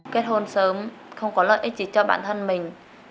kết hôn sớm không có lợi ích gì cho bản thân mình